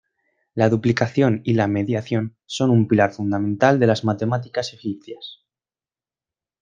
La duplicación y la mediación son un pilar fundamental de las matemáticas egipcias.